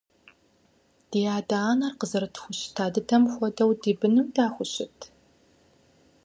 Ди адэ-анэр къызэрытхущыта дыдэм хуэдэу ди быным дахущыт?